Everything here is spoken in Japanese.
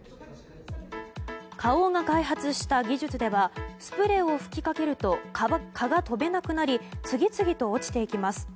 花王が開発した技術ではスプレーを吹きかけると蚊が飛べなくなり次々と落ちていきます。